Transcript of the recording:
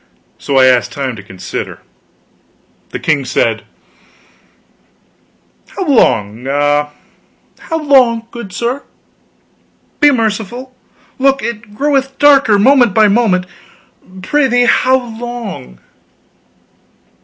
So I asked time to consider. The king said: "How long ah, how long, good sir? Be merciful; look, it groweth darker, moment by moment. Prithee how long?"